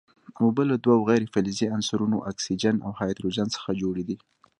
اوبه له دوو غیر فلزي عنصرونو اکسیجن او هایدروجن څخه جوړې دي.